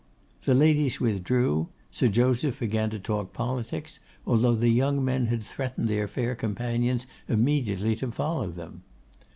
The ladies withdrew; Sir Joseph began to talk politics, although the young men had threatened their fair companions immediately to follow them.